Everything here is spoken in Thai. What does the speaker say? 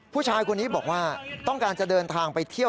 ผู้ชายคนนี้บอกว่าต้องการจะเดินทางไปเที่ยว